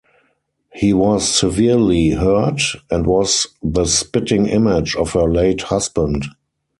He was severely hurt, and was the spitting image of her late husband.